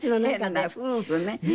変な夫婦ね。